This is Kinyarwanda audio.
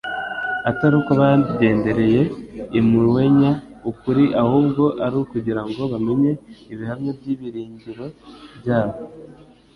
atari uko bagendereye lmuruenya ukuri, ahubwo ari ukugira ngo bamenye ibihamya by'ibyiringiro byabo